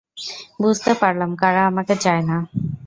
বুঝতে পারলাম কারা আমাকে চায় না।